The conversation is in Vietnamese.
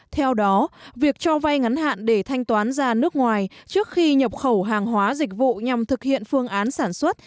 theo đó việc cho vay ngắn hạn để thanh toán ra nước ngoài trước khi nhập khẩu hàng hóa dịch vụ nhằm thực hiện phương án sản xuất